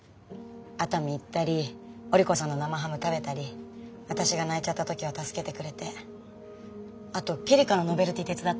熱海行ったり織子さんの生ハム食べたり私が泣いちゃった時は助けてくれてあと希梨香のノベルティ手伝ったり。